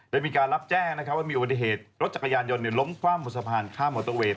ได้รับมีการรับแจ้งว่ามีอุบัติเหตุรถจักรยานยนต์ล้มคว่ำบนสะพานข้ามมอเตอร์เวย